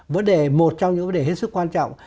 vấn đề một trong những vấn đề hết sức quan trọng